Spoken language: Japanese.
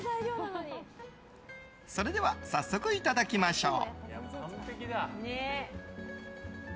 それでは早速いただきましょう。